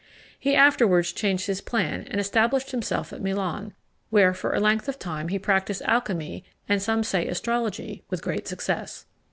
He afterwards changed his plan, and established himself at Milan, where, for a length of time, he practised alchymy, and some say astrology, with great success.